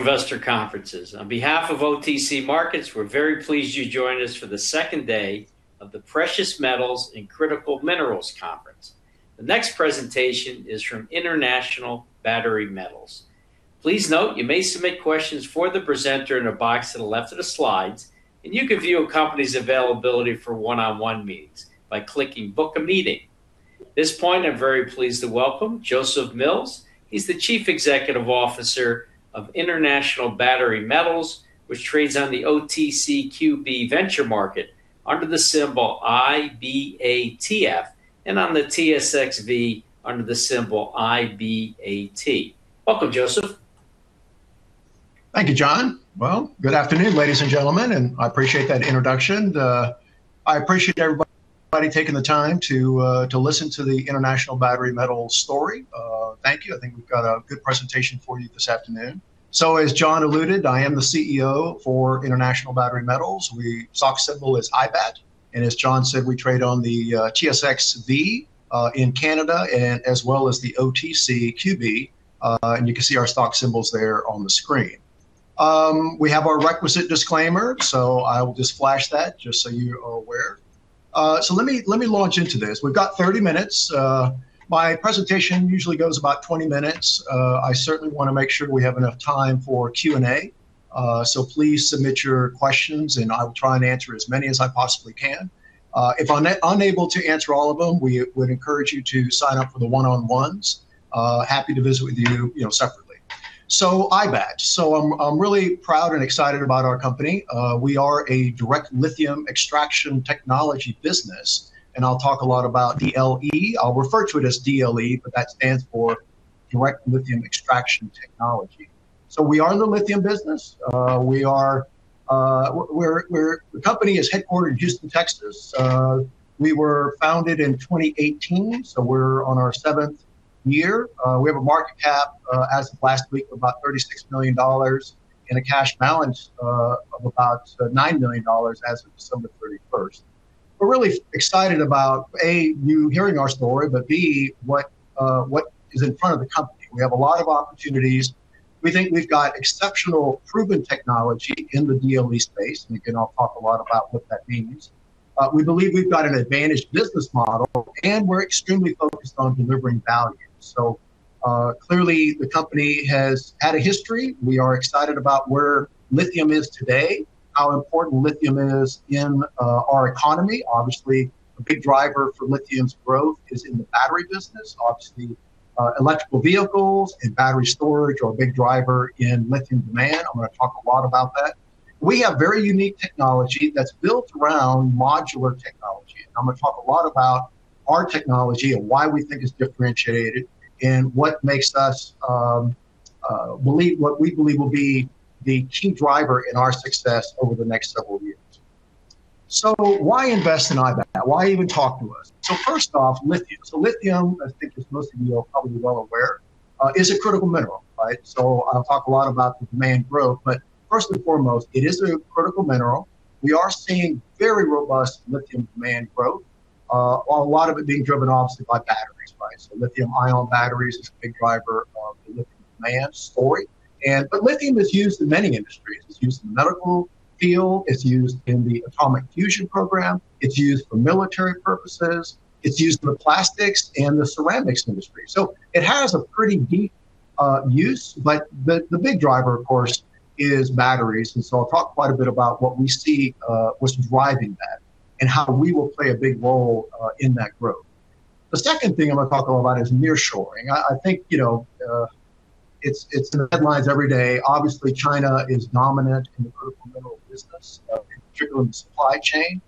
Investor Conferences. On behalf of OTC Markets, we're very pleased you joined us for the second day of the Precious Metals and Critical Minerals Conference. The next presentation is from International Battery Metals. Please note you may submit questions for the presenter in a box that I left at the slides, and you can view a company's availability for one-on-one meetings by clicking "Book a Meeting." At this point, I'm very pleased to welcome Joseph Mills. He's the Chief Executive Officer of International Battery Metals, which trades on the OTCQB Venture Market under the symbol IBATF and on the TSXV under the symbol IBAT. Welcome, Joseph. Thank you, John. Well, good afternoon, ladies and gentlemen, and I appreciate that introduction. I appreciate everybody taking the time to listen to the International Battery Metals story. Thank you. I think we've got a good presentation for you this afternoon. So, as John alluded, I am the CEO for International Battery Metals. Our stock symbol is IBAT, and as John said, we trade on the TSXV in Canada as well as the OTCQB, and you can see our stock symbols there on the screen. We have our requisite disclaimer, so I will just flash that just so you are aware. So let me launch into this. We've got 30 minutes. My presentation usually goes about 20 minutes. I certainly want to make sure we have enough time for Q&A, so please submit your questions, and I will try and answer as many as I possibly can. If unable to answer all of them, we would encourage you to sign up for the one-on-ones. Happy to visit with you separately. So IBAT. So I'm really proud and excited about our company. We are a direct lithium extraction technology business, and I'll talk a lot about DLE. I'll refer to it as DLE, but that stands for Direct Lithium Extraction Technology. So we are in the lithium business. The company is headquartered in Houston, Texas. We were founded in 2018, so we're on our seventh year. We have a market cap as of last week of about $36 million and a cash balance of about $9 million as of December 31st. We're really excited about, A, you hearing our story, but B, what is in front of the company. We have a lot of opportunities. We think we've got exceptional proven technology in the DLE space, and again, I'll talk a lot about what that means. We believe we've got an advantaged business model, and we're extremely focused on delivering value. So clearly, the company has had a history. We are excited about where lithium is today, how important lithium is in our economy. Obviously, a big driver for lithium's growth is in the battery business. Obviously, electric vehicles and battery storage are a big driver in lithium demand. I'm going to talk a lot about that. We have very unique technology that's built around modular technology, and I'm going to talk a lot about our technology and why we think it's differentiated and what makes us believe what we believe will be the key driver in our success over the next several years. So why invest in IBAT? Why even talk to us? So first off, lithium. So lithium, I think as most of you are probably well aware, is a critical mineral, right? So I'll talk a lot about the demand growth, but first and foremost, it is a critical mineral. We are seeing very robust lithium demand growth, a lot of it being driven, obviously, by batteries, right? So lithium-ion batteries is a big driver of the lithium demand story. But lithium is used in many industries. It's used in the medical field. It's used in the atomic fusion program. It's used for military purposes. It's used in the plastics and the ceramics industry. So it has a pretty deep use, but the big driver, of course, is batteries, and so I'll talk quite a bit about what we see what's driving that and how we will play a big role in that growth. The second thing I'm going to talk a lot about is nearshoring. I think it's in the headlines every day. Obviously, China is dominant in the critical mineral business, particularly in the supply chain.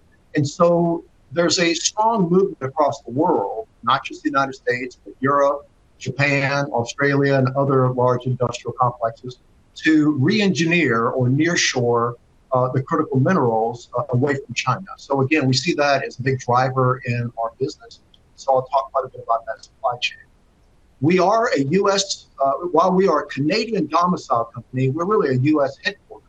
There's a strong movement across the world, not just the United States, but Europe, Japan, Australia, and other large industrial complexes, to re-engineer or nearshore the critical minerals away from China. Again, we see that as a big driver in our business, and so I'll talk quite a bit about that supply chain. While we are a Canadian-domiciled company, we're really a U.S.-headquartered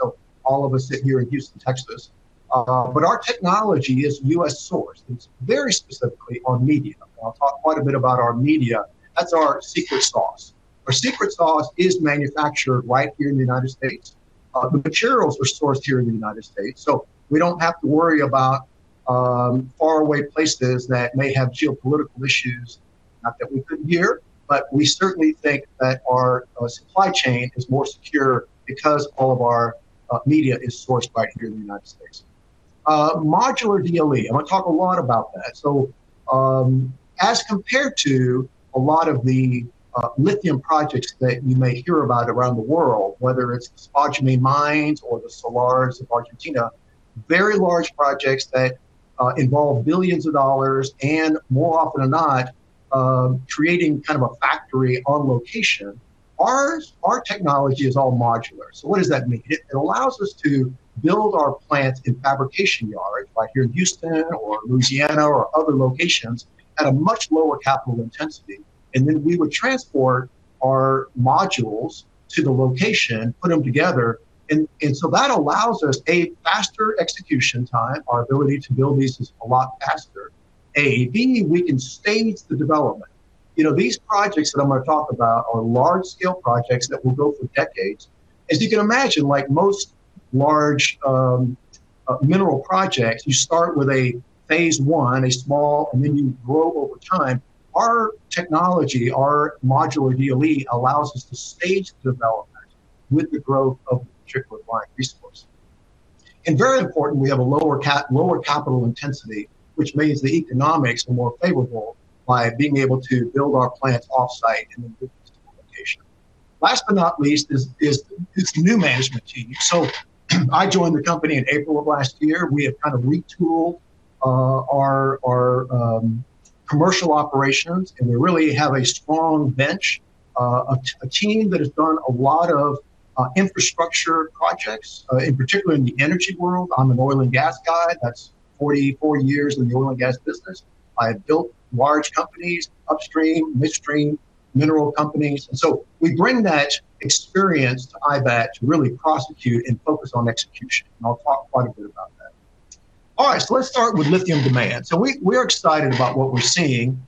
company. All of us sit here in Houston, Texas. But our technology is U.S. sourced. It's very specifically on media, and I'll talk quite a bit about our media. That's our secret sauce. Our secret sauce is manufactured right here in the United States. The materials are sourced here in the United States, so we don't have to worry about faraway places that may have geopolitical issues, not that we couldn't there, but we certainly think that our supply chain is more secure because all of our media is sourced right here in the United States. Modular DLE, I'm going to talk a lot about that. So as compared to a lot of the lithium projects that you may hear about around the world, whether it's the spodumene mines or the salars of Argentina, very large projects that involve billions of dollars and, more often than not, creating kind of a factory on location, our technology is all modular. So what does that mean? It allows us to build our plants in fabrication yards right here in Houston or Louisiana or other locations at a much lower capital intensity, and then we would transport our modules to the location, put them together. And so that allows us, A, faster execution time. Our ability to build these is a lot faster. A, B, we can stage the development. These projects that I'm going to talk about are large-scale projects that will go for decades. As you can imagine, like most large mineral projects, you start with a phase one, a small, and then you grow over time. Our technology, our modular DLE, allows us to stage the development with the growth of the particular line resource. Very important, we have a lower capital intensity, which means the economics are more favorable by being able to build our plants off-site and then build these to location. Last but not least is the new management team. I joined the company in April of last year. We have kind of retooled our commercial operations, and we really have a strong bench, a team that has done a lot of infrastructure projects, in particular in the energy world. I'm an oil and gas guy. That's 44 years in the oil and gas business. I have built large companies, upstream, midstream mineral companies. So we bring that experience to IBAT to really prosecute and focus on execution, and I'll talk quite a bit about that. All right, let's start with lithium demand. We are excited about what we're seeing.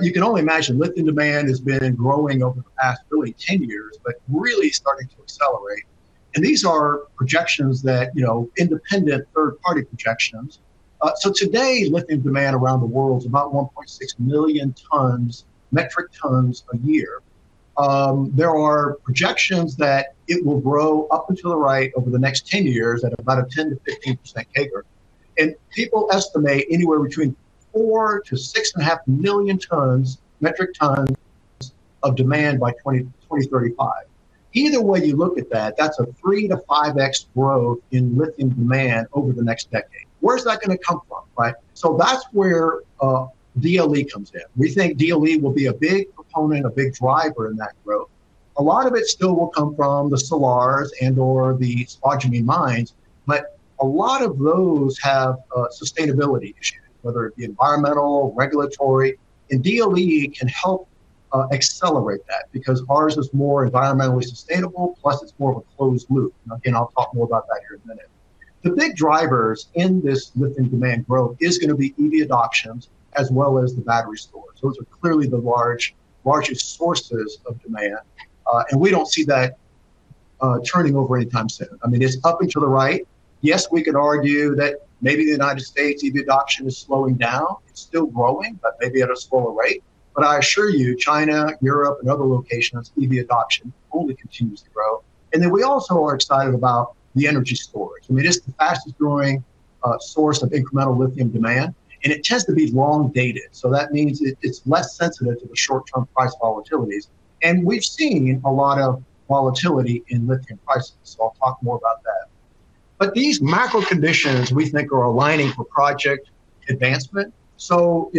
You can only imagine lithium demand has been growing over the past really 10 years, but really starting to accelerate. These are projections that independent third-party projections. So today, lithium demand around the world is about 1.6 million metric tons a year. There are projections that it will grow up until the right over the next 10 years at about a 10%-15% CAGR, and people estimate anywhere between 4-6.5 million metric tons of demand by 2035. Either way you look at that, that's a 3-5x growth in lithium demand over the next decade. Where's that going to come from, right? So that's where DLE comes in. We think DLE will be a big proponent, a big driver in that growth. A lot of it still will come from the salars and/or the spodumene mines, but a lot of those have sustainability issues, whether it be environmental, regulatory. And DLE can help accelerate that because ours is more environmentally sustainable, plus it's more of a closed loop. And again, I'll talk more about that here in a minute. The big drivers in this lithium demand growth is going to be EV adoptions as well as the battery storage. Those are clearly the largest sources of demand, and we don't see that turning over anytime soon. I mean, it's up and to the right. Yes, we could argue that maybe the United States EV adoption is slowing down. It's still growing, but maybe at a slower rate. But I assure you, China, Europe, and other locations, EV adoption only continues to grow. And then we also are excited about the energy storage. I mean, it is the fastest-growing source of incremental lithium demand, and it tends to be long-dated. So that means it's less sensitive to the short-term price volatilities, and we've seen a lot of volatility in lithium prices, so I'll talk more about that. But these macro conditions we think are aligning for project advancement. So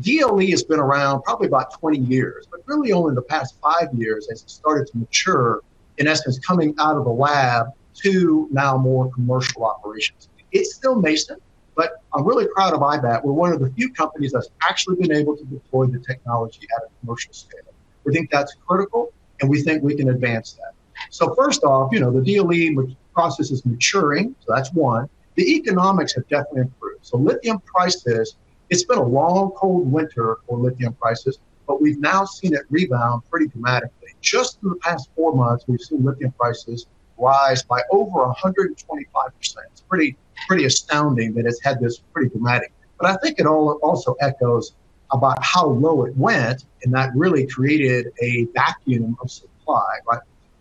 DLE has been around probably about 20 years, but really only in the past five years as it started to mature, in essence, coming out of the lab to now more commercial operations. It's still nascent, but I'm really proud of IBAT. We're one of the few companies that's actually been able to deploy the technology at a commercial scale. We think that's critical, and we think we can advance that. So first off, the DLE process is maturing, so that's one. The economics have definitely improved. So lithium prices, it's been a long, cold winter for lithium prices, but we've now seen it rebound pretty dramatically. Just in the past four months, we've seen lithium prices rise by over 125%. It's pretty astounding that it's had this pretty dramatic increase. But I think it also echoes about how low it went, and that really created a vacuum of supply,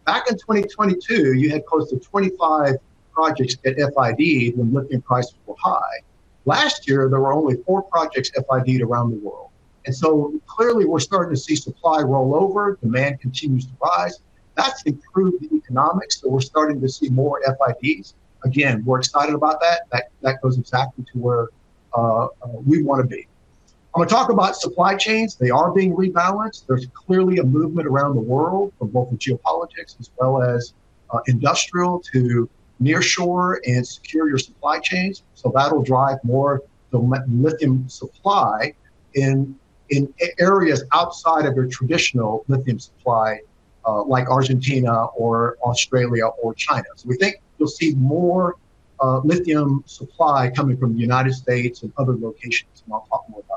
right? Back in 2022, you had close to 25 projects get FID when lithium prices were high. Last year, there were only four projects FIDed around the world. And so clearly, we're starting to see supply roll over. Demand continues to rise. That's improved the economics, so we're starting to see more FIDs. Again, we're excited about that. That goes exactly to where we want to be. I'm going to talk about supply chains. They are being rebalanced. There's clearly a movement around the world from local geopolitics as well as industrial to nearshore and secure your supply chains. So that'll drive more lithium supply in areas outside of your traditional lithium supply like Argentina or Australia or China. So we think you'll see more lithium supply coming from the United States and other locations, and I'll talk more about that.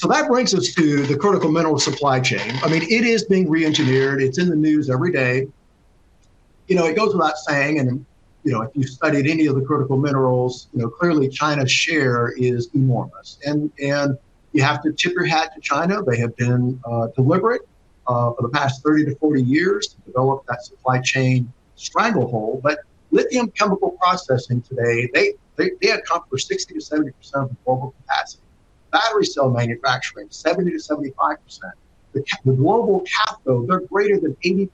So that brings us to the critical mineral supply chain. I mean, it is being re-engineered. It's in the news every day. It goes without saying, and if you've studied any of the critical minerals, clearly China's share is enormous. And you have to tip your hat to China. They have been deliberate for the past 30-40 years to develop that supply chain stranglehold. But lithium chemical processing today, they accomplish 60%-70% of the global capacity. Battery cell manufacturing, 70%-75%. The global capital, they're greater than 80%.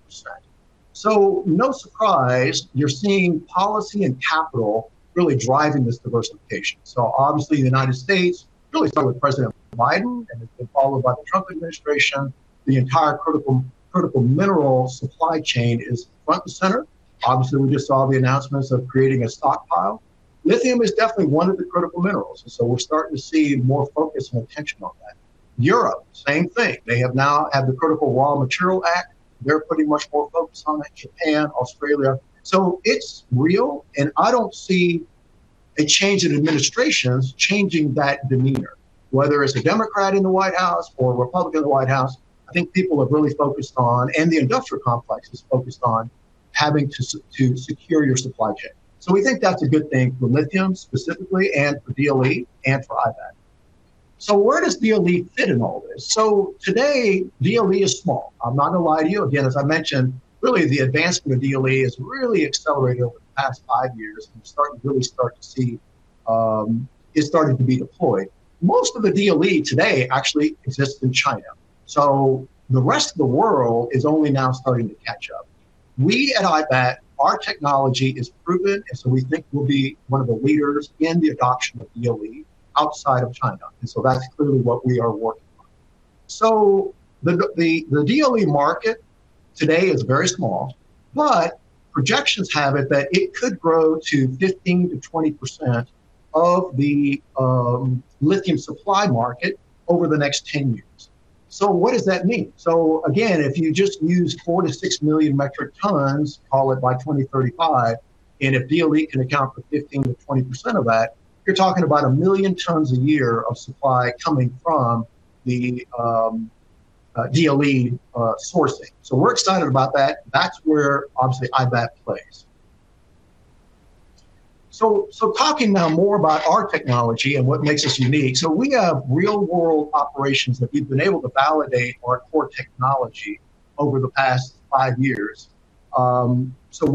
So no surprise you're seeing policy and capital really driving this diversification. So obviously, the United States, really started with President Biden and has been followed by the Trump administration. The entire critical mineral supply chain is front and center. Obviously, we just saw the announcements of creating a stockpile. Lithium is definitely one of the critical minerals, and so we're starting to see more focus and attention on that. Europe, same thing. They have now had the Critical Raw Material Act. They're putting much more focus on that, Japan, Australia. So it's real, and I don't see a change in administrations changing that demeanor, whether it's a Democrat in the White House or a Republican in the White House. I think people have really focused on, and the industrial complex is focused on, having to secure your supply chain. We think that's a good thing for lithium specifically and for DLE and for IBAT. Where does DLE fit in all this? Today, DLE is small. I'm not going to lie to you. Again, as I mentioned, really, the advancement of DLE has really accelerated over the past five years, and we're starting to really start to see it starting to be deployed. Most of the DLE today actually exists in China, so the rest of the world is only now starting to catch up. We at IBAT, our technology is proven, and so we think we'll be one of the leaders in the adoption of DLE outside of China. That's clearly what we are working on. So the DLE market today is very small, but projections have it that it could grow to 15%-20% of the lithium supply market over the next 10 years. So what does that mean? So again, if you just use 4-6 million metric tons, call it, by 2035, and if DLE can account for 15%-20% of that, you're talking about 1 million tons a year of supply coming from the DLE sourcing. So we're excited about that. That's where, obviously, IBAT plays. So talking now more about our technology and what makes us unique, so we have real-world operations that we've been able to validate our core technology over the past 5 years. So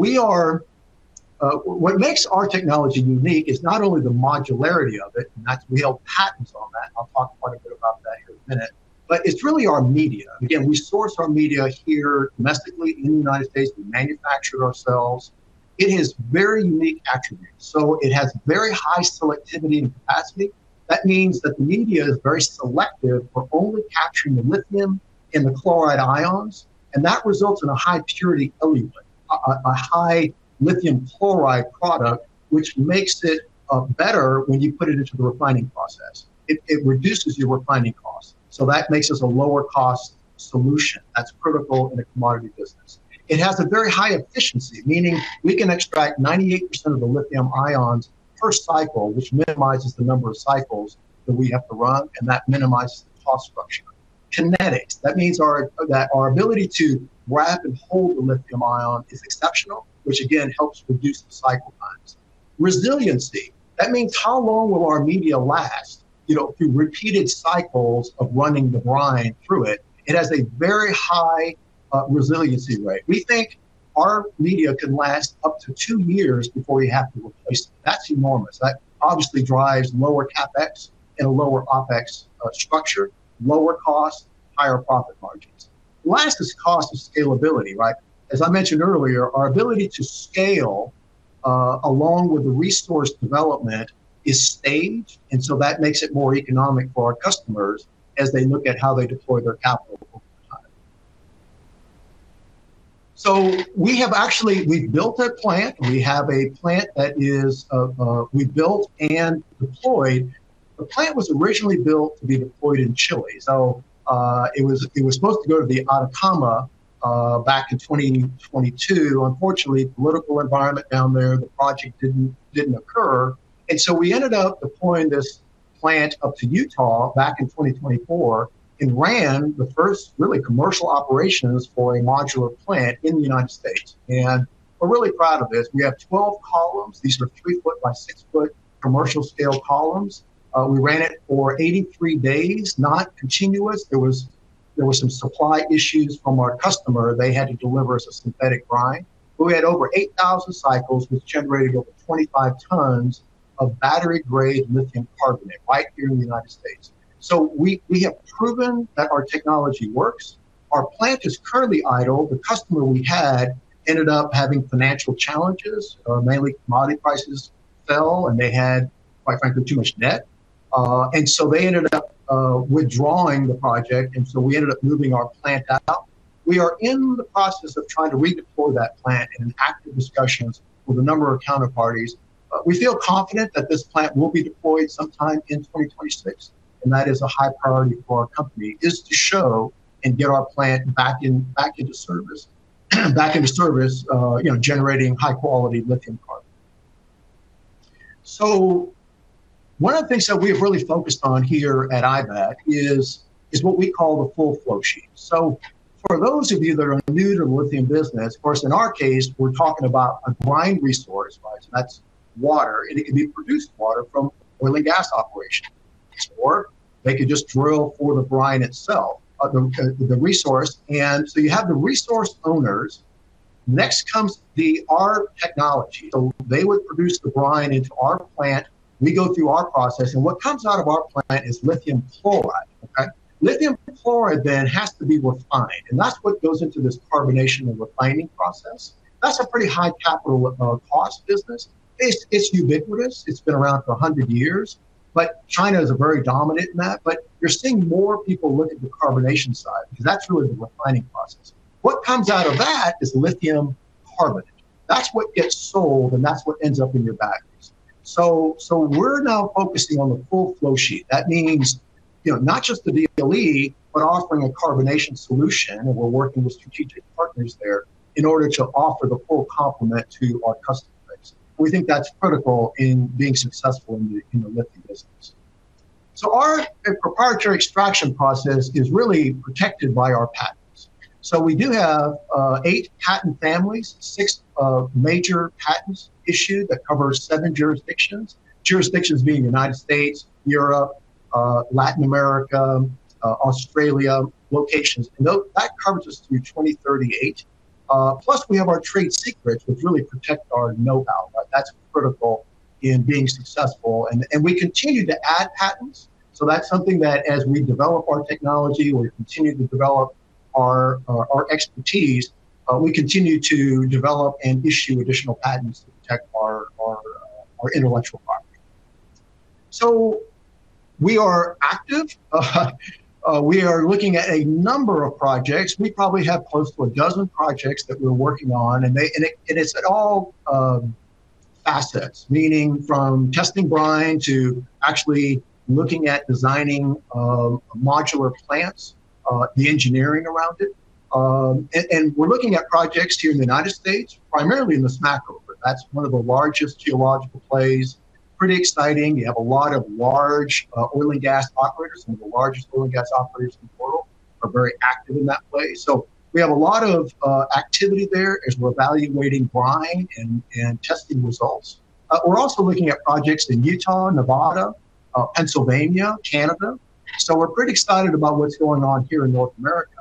what makes our technology unique is not only the modularity of it, and we held patents on that. I'll talk quite a bit about that here in a minute. But it's really our media. Again, we source our media here domestically in the United States. We manufacture it ourselves. It has very unique attributes. So it has very high selectivity and capacity. That means that the media is very selective for only capturing the lithium and the chloride ions, and that results in a high purity effluent, a high lithium chloride product, which makes it better when you put it into the refining process. It reduces your refining costs. So that makes us a lower-cost solution. That's critical in a commodity business. It has a very high efficiency, meaning we can extract 98% of the lithium ions per cycle, which minimizes the number of cycles that we have to run, and that minimizes the cost structure. Kinetics, that means our ability to wrap and hold the lithium ion is exceptional, which again helps reduce the cycle times. Resiliency, that means how long will our media last through repeated cycles of running the brine through it. It has a very high resiliency rate. We think our media can last up to two years before we have to replace it. That's enormous. That obviously drives lower CapEx and a lower OpEx structure, lower costs, higher profit margins. Last is cost of scalability, right? As I mentioned earlier, our ability to scale along with the resource development is staged, and so that makes it more economic for our customers as they look at how they deploy their capital over time. So we've built a plant. We have a plant that we built and deployed. The plant was originally built to be deployed in Chile. So it was supposed to go to the Atacama back in 2022. Unfortunately, political environment down there, the project didn't occur. We ended up deploying this plant up to Utah back in 2024 and ran the first really commercial operations for a modular plant in the United States. We're really proud of this. We have 12 columns. These are 3-foot by 6-foot commercial-scale columns. We ran it for 83 days, not continuous. There were some supply issues from our customer. They had to deliver us a synthetic brine. But we had over 8,000 cycles. We generated over 25 tons of battery-grade lithium carbonate right here in the United States. So we have proven that our technology works. Our plant is currently idle. The customer we had ended up having financial challenges. Mainly, commodity prices fell, and they had, quite frankly, too much debt. And so they ended up withdrawing the project, and so we ended up moving our plant out. We are in the process of trying to redeploy that plant and in active discussions with a number of counterparties. We feel confident that this plant will be deployed sometime in 2026, and that is a high priority for our company, is to show and get our plant back into service, generating high-quality Lithium Carbonate. So one of the things that we have really focused on here at IBAT is what we call the full flow sheet. So for those of you that are new to the lithium business, of course, in our case, we're talking about a brine resource, right? So that's water, and it can be produced water from oil and gas operations, or they could just drill for the brine itself, the resource. And so you have the resource owners. Next comes our technology. So they would produce the brine into our plant. We go through our process, and what comes out of our plant is Lithium Chloride, okay? Lithium Chloride then has to be refined, and that's what goes into this carbonation and refining process. That's a pretty high-capital-cost business. It's ubiquitous. It's been around for 100 years, but China is very dominant in that. But you're seeing more people look at the carbonation side because that's really the refining process. What comes out of that is Lithium Carbonate. That's what gets sold, and that's what ends up in your batteries. So we're now focusing on the full flow sheet. That means not just the DLE, but offering a carbonation solution, and we're working with strategic partners there in order to offer the full complement to our customer base. We think that's critical in being successful in the lithium business. So our proprietary extraction process is really protected by our patents. So we do have 8 patent families, 6 major patents issued that cover 7 jurisdictions, jurisdictions being the United States, Europe, Latin America, Australia, locations. That covers us through 2038. Plus, we have our trade secrets, which really protect our know-how, right? That's critical in being successful. We continue to add patents. That's something that, as we develop our technology or continue to develop our expertise, we continue to develop and issue additional patents to protect our intellectual property. We are active. We are looking at a number of projects. We probably have close to a dozen projects that we're working on, and it's at all facets, meaning from testing brine to actually looking at designing modular plants, the engineering around it. We're looking at projects here in the United States, primarily in the Smackover. That's one of the largest geological plays. Pretty exciting. You have a lot of large oil and gas operators. Some of the largest oil and gas operators in the world are very active in that place. So we have a lot of activity there as we're evaluating brine and testing results. We're also looking at projects in Utah, Nevada, Pennsylvania, Canada. So we're pretty excited about what's going on here in North America.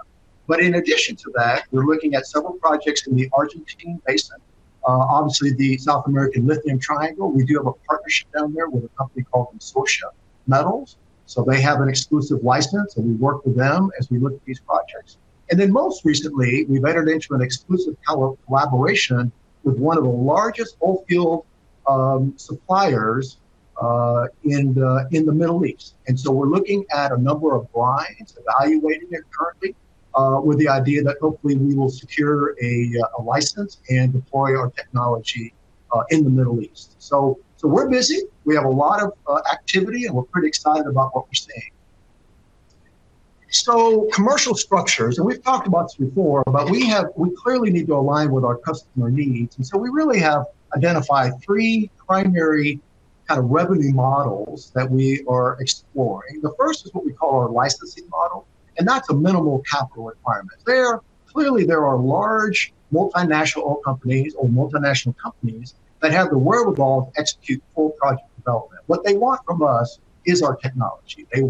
But in addition to that, we're looking at several projects in the Argentine Basin, obviously the South American Lithium Triangle. We do have a partnership down there with a company called Ensorcia Metals. So they have an exclusive license, and we work with them as we look at these projects. And then most recently, we've entered into an exclusive collaboration with one of the largest oilfield suppliers in the Middle East. And so we're looking at a number of brines, evaluating it currently with the idea that hopefully we will secure a license and deploy our technology in the Middle East. So we're busy. We have a lot of activity, and we're pretty excited about what we're seeing. So commercial structures, and we've talked about this before, but we clearly need to align with our customer needs. And so we really have identified three primary kind of revenue models that we are exploring. The first is what we call our licensing model, and that's a minimal capital requirement. Clearly, there are large multinational oil companies or multinational companies that have the wherewithal to execute full project development. What they want from us is our technology. They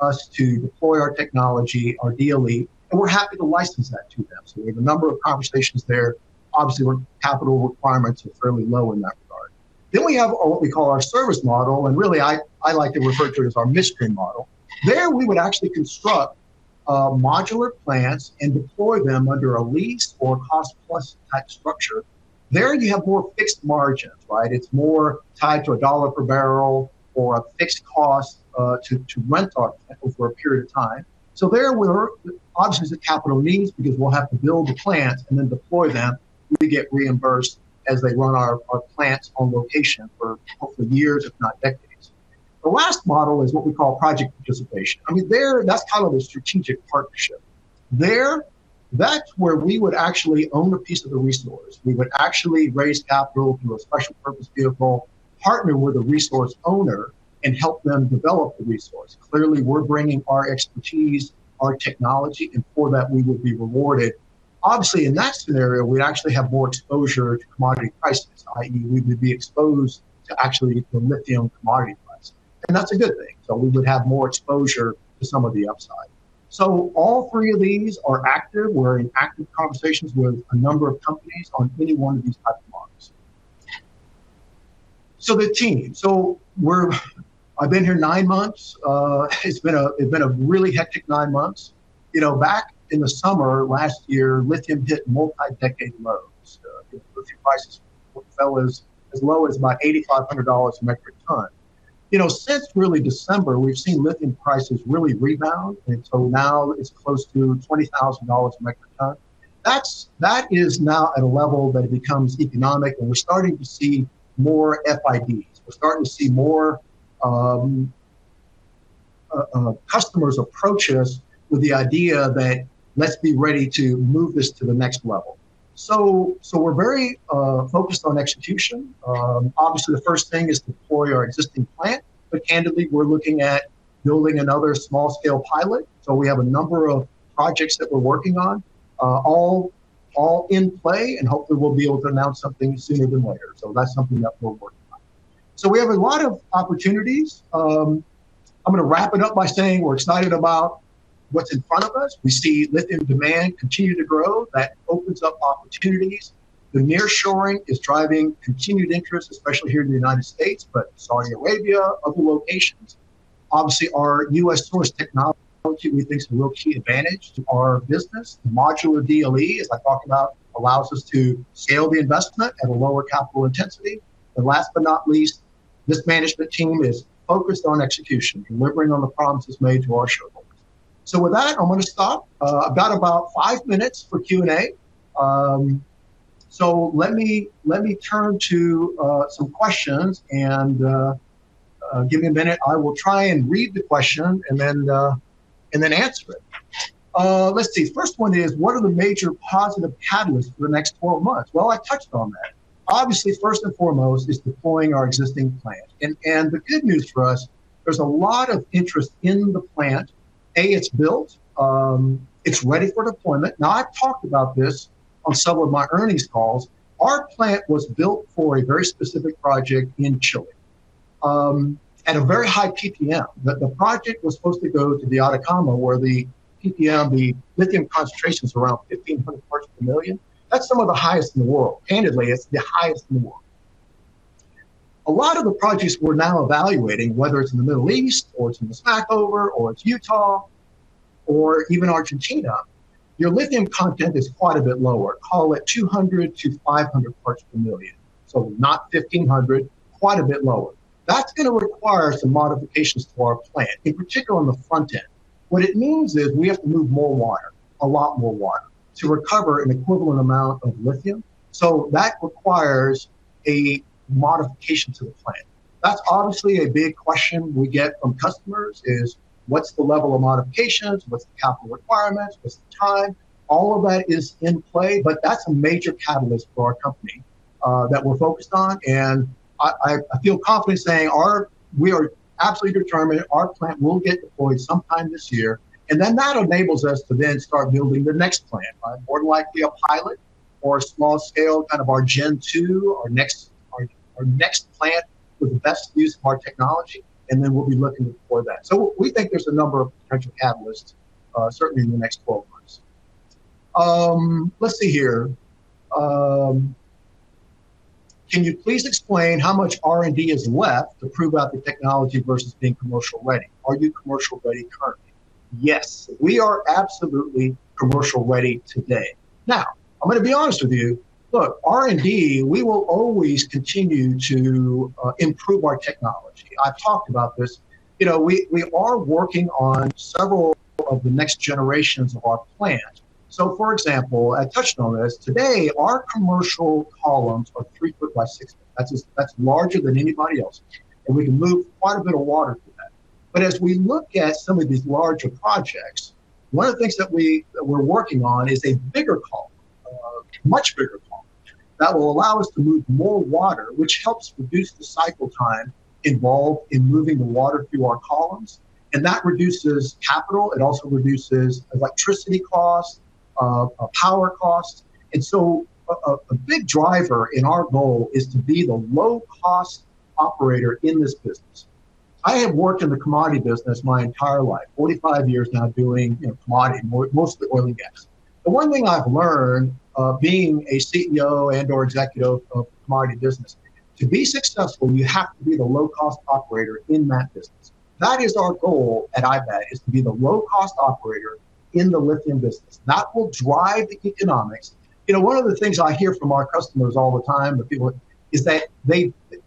want us to deploy our technology, our DLE, and we're happy to license that to them. So we have a number of conversations there. Obviously, capital requirements are fairly low in that regard. Then we have what we call our service model, and really, I like to refer to it as our mystery model. There, we would actually construct modular plants and deploy them under a lease or a cost-plus type structure. There, you have more fixed margins, right? It's more tied to $1 per barrel or a fixed cost to rent our plant over a period of time. So there, obviously, there's a capital needs because we'll have to build the plants and then deploy them. We get reimbursed as they run our plants on location for hopefully years, if not decades. The last model is what we call project participation. I mean, that's kind of a strategic partnership. There, that's where we would actually own a piece of the resource. We would actually raise capital through a special purpose vehicle, partner with the resource owner, and help them develop the resource. Clearly, we're bringing our expertise, our technology, and for that, we will be rewarded. Obviously, in that scenario, we'd actually have more exposure to commodity prices, i.e., we would be exposed to actually the lithium commodity price. That's a good thing. We would have more exposure to some of the upside. All three of these are active. We're in active conversations with a number of companies on any one of these type of models. The team, I've been here nine months. It's been a really hectic nine months. Back in the summer last year, lithium hit multi-decade lows. Lithium prices fell as low as about $8,500 a metric ton. Since really December, we've seen lithium prices really rebound, and so now it's close to $20,000 a metric ton. That is now at a level that becomes economic, and we're starting to see more FIDs. We're starting to see more customers approach us with the idea that, "Let's be ready to move this to the next level." So we're very focused on execution. Obviously, the first thing is to deploy our existing plant, but candidly, we're looking at building another small-scale pilot. So we have a number of projects that we're working on all in play, and hopefully, we'll be able to announce something sooner than later. So that's something that we're working on. So we have a lot of opportunities. I'm going to wrap it up by saying we're excited about what's in front of us. We see lithium demand continue to grow. That opens up opportunities. The nearshoring is driving continued interest, especially here in the United States, but Saudi Arabia, other locations. Obviously, our U.S.-sourced technology we think is a real key advantage to our business. The modular DLE, as I talked about, allows us to scale the investment at a lower capital intensity. Last but not least, this management team is focused on execution, delivering on the promises made to our shareholders. With that, I'm going to stop. I've got about five minutes for Q&A. Let me turn to some questions, and give me a minute. I will try and read the question and then answer it. Let's see. First one is, what are the major positive catalysts for the next 12 months? Well, I touched on that. Obviously, first and foremost is deploying our existing plant. The good news for us, there's a lot of interest in the plant. It's built. It's ready for deployment. Now, I've talked about this on several of my earnings calls. Our plant was built for a very specific project in Chile at a very high PPM. The project was supposed to go to the Atacama, where the PPM, the lithium concentration is around 1,500 parts per million. That's some of the highest in the world. Candidly, it's the highest in the world. A lot of the projects we're now evaluating, whether it's in the Middle East or it's in the Smackover or it's Utah or even Argentina, your lithium content is quite a bit lower, call it 200-500 parts per million. So not 1,500, quite a bit lower. That's going to require some modifications to our plant, in particular on the front end. What it means is we have to move more water, a lot more water, to recover an equivalent amount of lithium. So that requires a modification to the plant. That's obviously a big question we get from customers is, "What's the level of modifications? What's the capital requirements? What's the time?" All of that is in play, but that's a major catalyst for our company that we're focused on. And I feel confident saying we are absolutely determined. Our plant will get deployed sometime this year, and then that enables us to then start building the next plant, more than likely a pilot or a small-scale kind of our Gen 2, our next plant with the best use of our technology. And then we'll be looking for that. So we think there's a number of potential catalysts, certainly in the next 12 months. Let's see here. Can you please explain how much R&D is left to prove out the technology versus being commercial-ready? Are you commercial-ready currently? Yes, we are absolutely commercial-ready today. Now, I'm going to be honest with you. Look, R&D, we will always continue to improve our technology. I've talked about this. We are working on several of the next generations of our plant. So for example, I touched on this. Today, our commercial columns are 3 foot by 6. That's larger than anybody else, and we can move quite a bit of water through that. But as we look at some of these larger projects, one of the things that we're working on is a bigger column, a much bigger column that will allow us to move more water, which helps reduce the cycle time involved in moving the water through our columns. That reduces capital. It also reduces electricity costs, power costs. And so a big driver in our goal is to be the low-cost operator in this business. I have worked in the commodity business my entire life, 45 years now doing commodity, mostly oil and gas. The one thing I've learned being a CEO and/or executive of commodity business, to be successful, you have to be the low-cost operator in that business. That is our goal at IBAT, is to be the low-cost operator in the lithium business. That will drive the economics. One of the things I hear from our customers all the time, the people, is that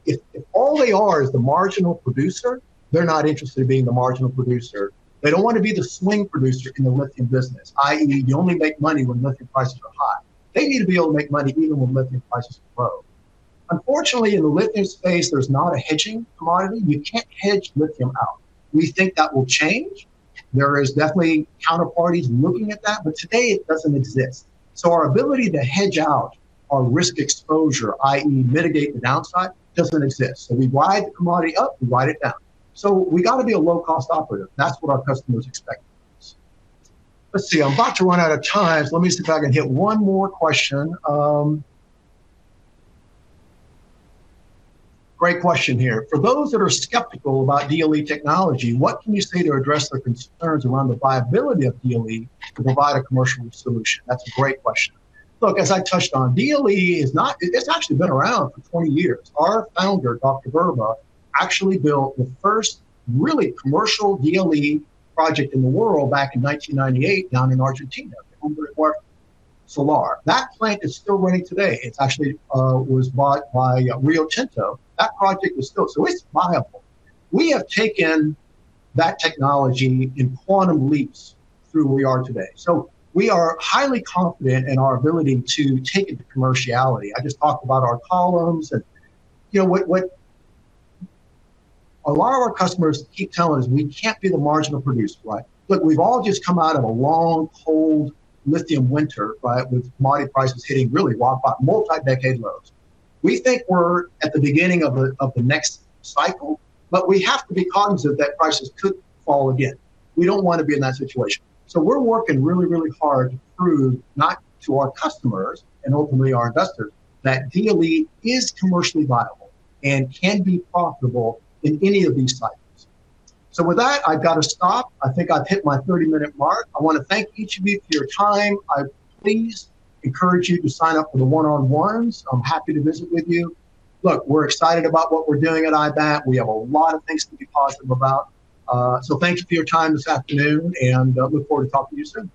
if all they are is the marginal producer, they're not interested in being the marginal producer. They don't want to be the swing producer in the lithium business, i.e., you only make money when lithium prices are high. They need to be able to make money even when lithium prices are low. Unfortunately, in the lithium space, there's not a hedging commodity. You can't hedge lithium out. We think that will change. There are definitely counterparties looking at that, but today, it doesn't exist. So our ability to hedge out our risk exposure, i.e., mitigate the downside, doesn't exist. So we ride the commodity up. We ride it down. So we got to be a low-cost operator. That's what our customers expect from us. Let's see. I'm about to run out of time. So let me see if I can hit one more question. Great question here. For those that are skeptical about DLE technology, what can you say to address their concerns around the viability of DLE to provide a commercial solution? That's a great question. Look, as I touched on, DLE has actually been around for 20 years. Our founder, Dr. Burba, actually built the first really commercial DLE project in the world back in 1998 down in Argentina, the Salar del Hombre Muerto. That plant is still running today. It actually was bought by Rio Tinto. That project is still so it's viable. We have taken that technology in quantum leaps through where we are today. So we are highly confident in our ability to take it to commerciality. I just talked about our columns. And a lot of our customers keep telling us, "We can't be the marginal producer," right? "Look, we've all just come out of a long, cold lithium winter," right, with commodity prices hitting really multi-decade lows. We think we're at the beginning of the next cycle, but we have to be cognizant that prices could fall again. We don't want to be in that situation. So we're working really, really hard to prove not to our customers and ultimately our investors that DLE is commercially viable and can be profitable in any of these cycles. So with that, I've got to stop. I think I've hit my 30-minute mark. I want to thank each of you for your time. I please encourage you to sign up for the one-on-ones. I'm happy to visit with you. Look, we're excited about what we're doing at IBAT. We have a lot of things to be positive about. So thank you for your time this afternoon, and look forward to talking to you soon.